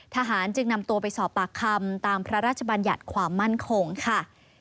ทหารจึงนำตัวไปสอบปากคำตามพระราชบัญญัติความมั่นคงค่ะ